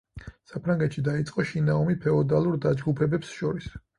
საფრანგეთში დაიწყო შინაომი ფეოდალურ დაჯგუფებებს შორის.